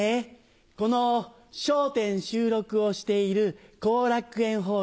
この『笑点』収録をしている後楽園ホール。